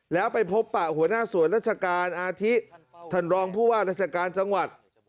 แล้วไปพบปะหัวหน้าส่วนราชการอาทิท่านรองผู้ว่าราชการจังหวัด